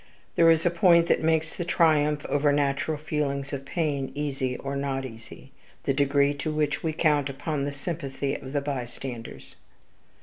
There is a point that makes the triumph over natural feelings of pain easy or not easy the degree in which we count upon the sympathy of the bystanders.